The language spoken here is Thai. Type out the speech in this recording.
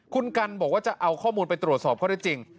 คุณกันบอกว่าจะเอาข้อมูลไปตรวจสอบข้อได้จริง